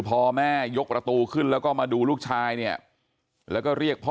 พอแม่ยกประตูขึ้นแล้วก็มาดูลูกชายเนี่ยแล้วก็เรียกพ่อ